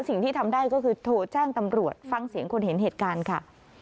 สิ่งที่ทำได้ก็คือโทรแจ้งตำรวจฟังเสียงคนเห็นเหตุการณ์ค่ะ